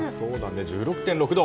１６．６度。